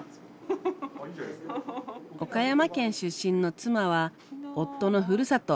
岡山県出身の妻は夫のふるさと